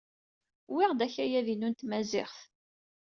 Wwiɣ-d akayad-inu n tmaziɣt.